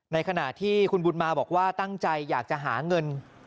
ในขณะที่คุณบุญมาบอกว่าตั้งใจอยากจะหาเงิน